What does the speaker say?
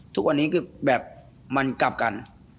ทุกวันนี้คือแบบมันกลับกัน